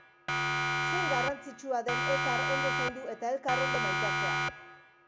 Zein garrantzitsua den elkar ondo zaindu eta elkar ondo maitatzea